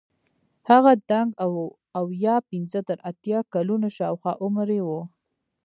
هغه دنګ او اویا پنځه تر اتیا کلونو شاوخوا عمر یې وو.